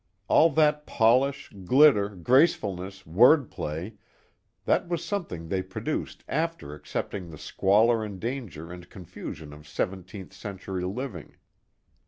All that polish, glitter, gracefulness, word play, that was something they produced after accepting the squalor and danger and confusion of seventeenth century living.